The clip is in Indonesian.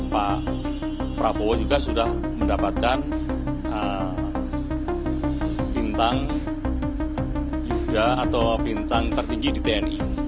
pak prabowo juga sudah mendapatkan bintang yuda atau bintang tertinggi di tni